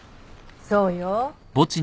そうよ。